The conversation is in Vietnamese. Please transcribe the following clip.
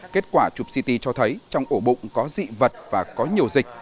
kết quả chụp ct cho thấy trong ổ bụng có dị vật và có nhiều dịch